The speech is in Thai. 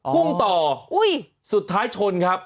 พุ่งต่อสุดท้ายชนครับ